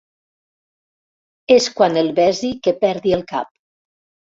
És quan el besi que perdi el cap.